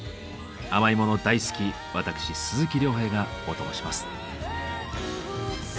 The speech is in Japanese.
甘いもの大好き私鈴木亮平がオトモします。